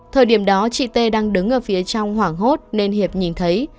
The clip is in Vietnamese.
thời điểm đó chị t đang đứng ở phía trong hoảng hốt nên hiệp nhìn thấy